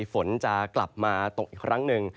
ฝนจะกลับมาตกอีกครั้งหนึ่ง